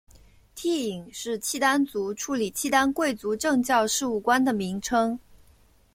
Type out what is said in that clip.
惕隐是契丹族处理契丹贵族政教事务官的名称。